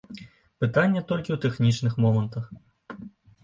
Пытанне толькі ў тэхнічных момантах.